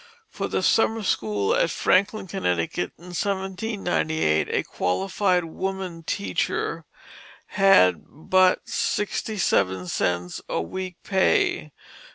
For the summer school at Franklin, Connecticut, in 1798, "a qualified woman teacher" had but sixty seven cents a week pay.